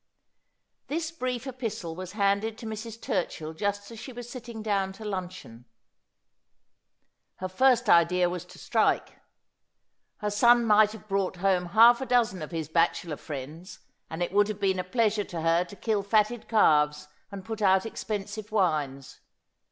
This brief epistle was handed to Mrs. Turchill just as she was sitting down to luncheon. Her first idea was to strike. 152 Aspliodet. Her son might have brought home half a dozen of his bachelor friends, and it would have been a pleasure to her to kill fatted calves and put out expensive wines.